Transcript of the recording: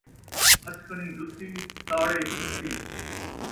پھتکݨی جتی، تاڑے کھتی